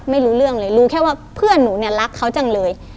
ไม่รู้เรื่องเลยรู้แค่ว่าเพื่อนหนูเนี่ยรักเขาจังเลย